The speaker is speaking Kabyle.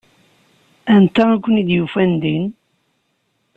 Anta i ken-id-yufan din?